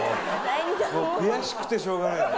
もう悔しくてしょうがない。